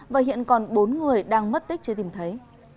và hiện còn bốn người đang mất tích chưa tìm thấy